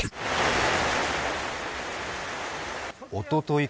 おととい